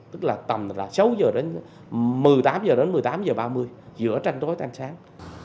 tức là tầm là sáu giờ đến một mươi tám giờ đến một mươi tám giờ ba mươi giữa tranh tối tan sáng